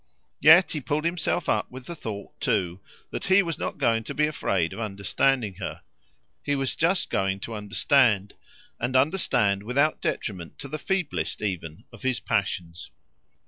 Yet he pulled himself up with the thought too that he wasn't going to be afraid of understanding her; he was just going to understand and understand without detriment to the feeblest, even, of his passions.